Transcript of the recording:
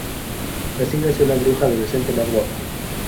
Así nació la bruja adolescente más guapa.